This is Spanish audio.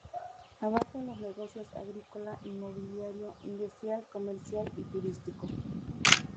Abarca los negocios agrícola, inmobiliario, industrial, comercial y turístico.